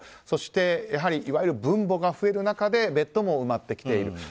そしていわゆる分母が増える中でベッドも埋まってきている。